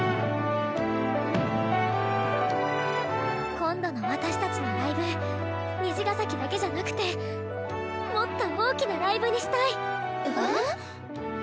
今度の私たちのライブ虹ヶ咲だけじゃなくてもっと大きなライブにしたい！え？